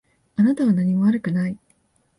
あなたは何も悪くない。